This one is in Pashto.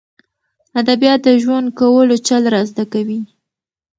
ادبیات د ژوند کولو چل را زده کوي.